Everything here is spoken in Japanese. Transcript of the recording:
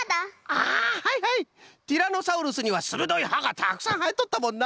ティラノサウルスにはするどいはがたくさんはえとったもんな。